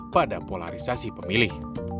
pada polarisasi pemilih